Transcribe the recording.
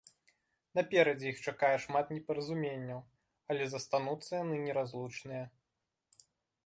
Наперадзе іх чакае шмат непаразуменняў, але застануцца яны неразлучныя.